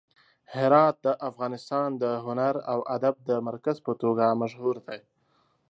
هرات د افغانستان د هنر او ادب د مرکز په توګه مشهور دی.